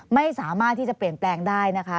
ไม่สามารถที่จะเปลี่ยนแปลงได้นะคะ